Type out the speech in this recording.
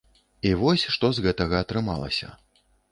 І вось, што з гэтага атрымалася.